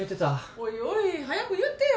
おいおい早く言ってよ！